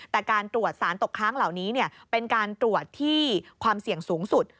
แต่การตรวจสารตกค้างเหล่านี้เป็นการตรวจที่ความเสี่ยงสูงสุด